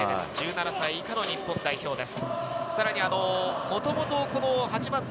１７歳以下の日本代表です。